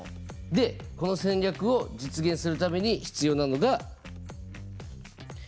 でこの戦略を実現するために必要なのがＫＰＩ。